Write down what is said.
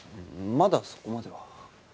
まだそこまでは。